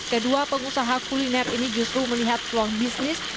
kedua pengusaha kuliner ini justru melihat peluang bisnis